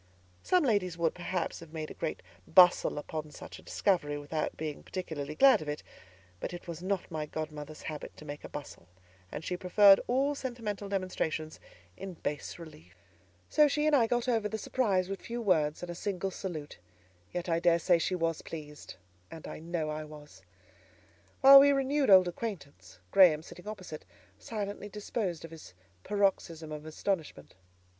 Some ladies would, perhaps, have made a great bustle upon such a discovery without being particularly glad of it; but it was not my godmother's habit to make a bustle, and she preferred all sentimental demonstrations in bas relief. So she and I got over the surprise with few words and a single salute; yet I daresay she was pleased, and I know I was. While we renewed old acquaintance, Graham, sitting opposite, silently disposed of his paroxysm of astonishment.